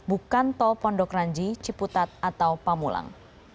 bukan tol pondok ranji ciputat atau pamulang